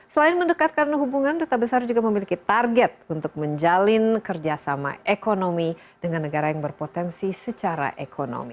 selain mendekatkan hubungan duta besar juga memiliki target untuk menjalin kerjasama ekonomi dengan negara yang berpotensi sejarah